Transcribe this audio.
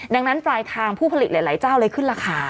ดังนั้นปลายทางผู้ผลิตหลายเจ้าเลยขึ้นราคา